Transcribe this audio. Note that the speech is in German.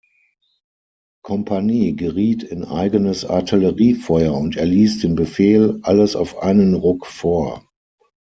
Kompanie geriet in eigenes Artilleriefeuer und erließ den Befehl: „Alles auf einen Ruck vor!